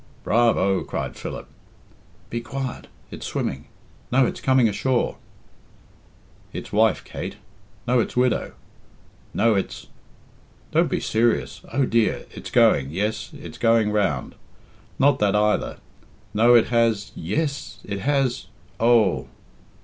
"Bravo!" cried Philip. "Be quiet. It's swimming. No, it's coming ashore." "It's wife, Kate. No, it's widow. No, it's " "Do be serious. Oh, dear! it's going yes, it's going round. Not that either. No, it has yes, it has oh!"